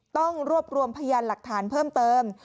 ต้องรวบรวมพยานหลักฐานเพิ่มเติม